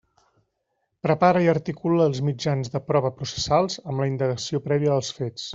Prepara i articula els mitjans de prova processals, amb la indagació prèvia dels fets.